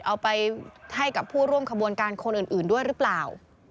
เอาไปให้กับผู้ร่วมขบวนการคนอื่นด้วยหรือเปล่า